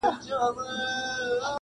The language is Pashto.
یو کارګه وو څه پنیر یې وو غلا کړی!.